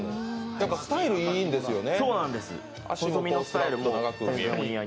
スタイルいいんですよね。